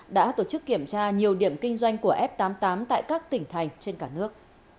đã tổ chức kiểm tra nhiều điểm kinh doanh của f tám mươi tám tại các tỉnh thành trên cả nước